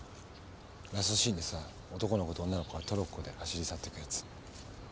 ラストシーンで男の子と女の子がトロッコで走り去ってくやつ。